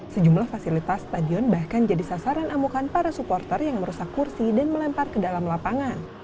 sejumlah fasilitas stadion bahkan jadi sasaran amukan para supporter yang merusak kursi dan melempar ke dalam lapangan